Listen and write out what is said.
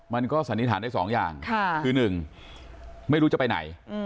สันนิษฐานได้๒อย่างคือ๑ไม่รู้จะไปไหน